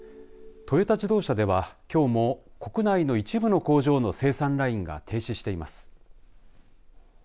トヨタ自動車ではきょうも国内の一部の工場の生産ラインが停止しています。